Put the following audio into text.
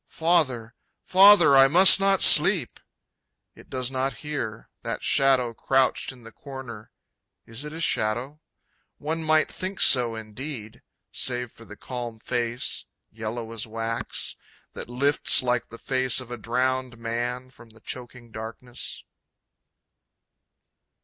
Father, Father, I must not sleep! It does not hear that shadow crouched in the corner... Is it a shadow? One might think so indeed, save for the calm face, yellow as wax, that lifts like the face of a drowned man from the choking darkness.